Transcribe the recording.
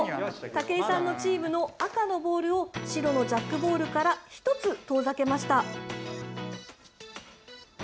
武井さんのチームの赤のボールを白のジャックボールから１つ遠ざけました。